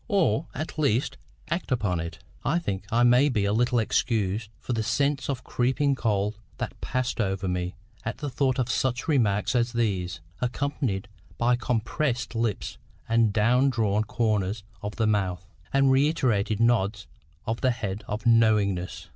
or, at least, act upon it?" I think I may be a little excused for the sense of creeping cold that passed over me at the thought of such remarks as these, accompanied by compressed lips and down drawn corners of the mouth, and reiterated nods of the head of KNOWINGNESS.